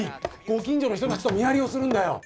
ご近所の人たちと見張りをするんだよ。